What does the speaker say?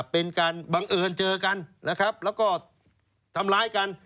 เป็นการบังเอิญเจอกันนะครับแล้วก็ทำร้ายกัน